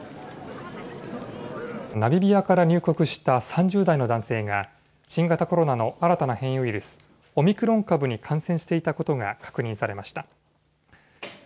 ナミビアから入国した３０代の男性が、新型コロナの新たな変異ウイルス、オミクロン株に感染していたことが確認されました。